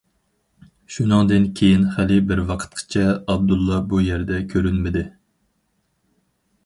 شۇنىڭدىن كېيىن خېلى بىر ۋاقىتقىچە ئابدۇللا بۇ يەردە كۆرۈنمىدى.